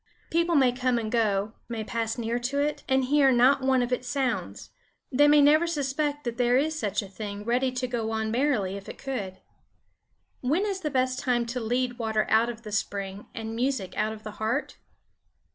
People may come and go, may pass near to it, and hear not one of its sounds; they may never suspect that there is such a thing ready to go on merrily if it could. When is the best time to lead water out of the spring, and music out of the heart?